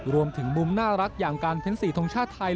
รวมถึงมุมน่ารักอย่างการเพ้น๔ทรงชาติไทย